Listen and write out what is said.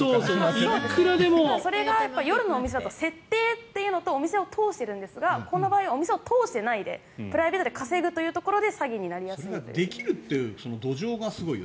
それが夜のお店だと設定というのとお店を通しているんですがこの場合はお店を通さないでプライベートで稼ぐというところで